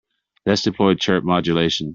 Let's deploy chirp modulation.